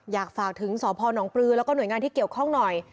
อยากฝากถึงสพนปลือแล้วก็หน่วยงานที่เกี่ยวข้องหน่อย